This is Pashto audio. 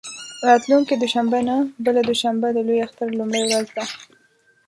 راتلونکې دوشنبه نه، بله دوشنبه د لوی اختر لومړۍ ورځ ده.